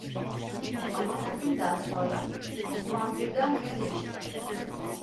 Ama bu günden sonra Osman birdenbire değişti.